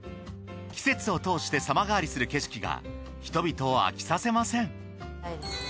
季節をとおして様変わりする景色が人々を飽きさせません。